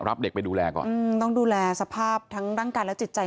รับเด็กไปดูแลก่อนอืมต้องดูแลสภาพทั้งร่างกายและจิตใจ